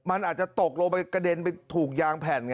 มันอาจจะตกลงไปกระเด็นไปถูกยางแผ่นไง